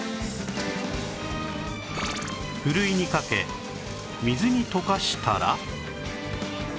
ふるいにかけ水に溶かしたら